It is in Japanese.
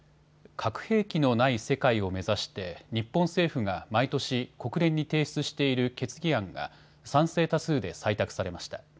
核兵器のない世界を目指して日本政府が毎年、国連に提出している決議案が賛成多数で採択されました。